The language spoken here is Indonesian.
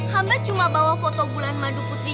hamba cuma bawa foto bulan madu putri